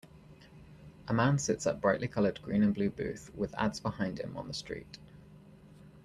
A man sits at brightly colored green and blue booth with ads behind him on the street.